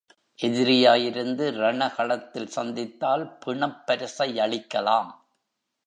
எதிரியாயிருந்து ரண களத்தில் சந்தித்தால், பிணப் பரிசையளிக்கலாம்.